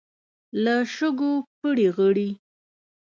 له شګو پړي غړي.